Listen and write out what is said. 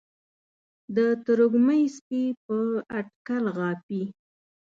د تروږمۍ سپي په اټکل غاپي